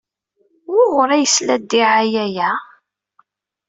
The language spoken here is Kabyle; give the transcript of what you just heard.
Wuɣur ay yesla ddiɛaya-a?